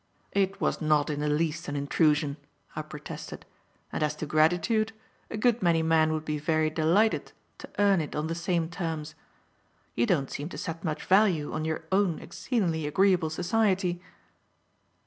"It was not in the least an intrusion," I protested; "and as to gratitude, a good many men would be very delighted to earn it on the same terms. You don't seem to set much value on your own exceedingly agreeable society."